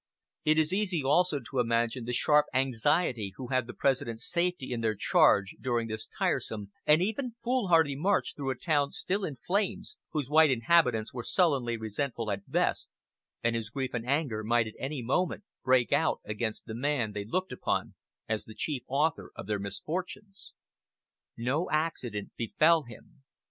It is easy also to imagine the sharp anxiety of those who had the President's safety in their charge during this tiresome and even foolhardy march through a town still in flames, whose white inhabitants were sullenly resentful at best, and whose grief and anger might at any moment break out against the man they looked upon as the chief author of their misfortunes. No accident befell him.